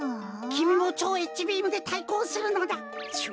きみも超Ｈビームでたいこうするのだ。